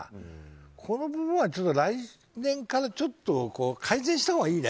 この部門は来年からちょっと改善したほうがいいね。